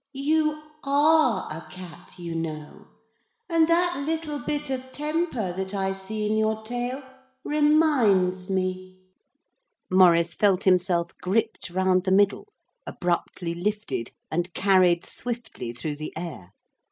'You are a cat, you know and that little bit of temper that I see in your tail reminds me ' Maurice felt himself gripped round the middle, abruptly lifted, and carried swiftly through the air.